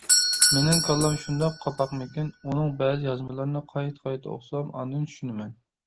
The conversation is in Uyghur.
مېنىڭ كاللام شۇنداق قاپاقمىكىن، ئۇنىڭ بەزى يازمىلىرىنى قايتا-قايتا ئوقۇسام ئاندىن چۈشىنىمەن.